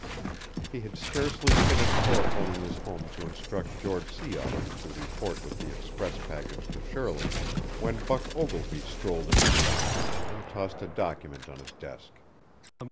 He had scarcely finished telephoning his home to instruct George Sea Otter to report with the express package to Shirley when Buck Ogilvy strolled into the office and tossed a document on his desk.